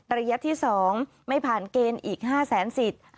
ระยะที่๒ไม่ผ่านเกณฑ์อีก๕แสนสิทธิ์